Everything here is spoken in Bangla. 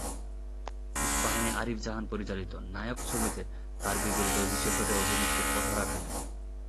ইস্পাহানী-আরিফ জাহান পরিচালিত "নায়ক" ছবিতে তার বিপরীতে অভিষেক ঘটে অভিনেত্রী অধরা খানের।